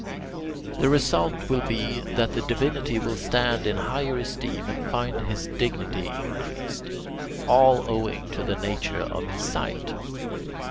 The result will be that the divinity will stand in higher esteem and find his dignity increased, all owing to the nature of his site.